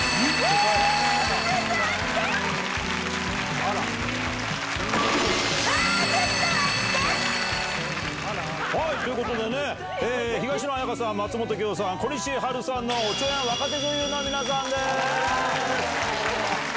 あら！ということでね、東野絢香さん、松本妃代さん、小西はるさんの、おちょやん若手女優の皆さんです。